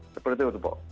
seperti itu bok